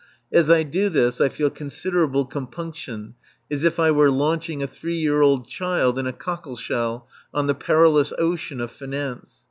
As I do this I feel considerable compunction, as if I were launching a three year old child in a cockle shell on the perilous ocean of finance.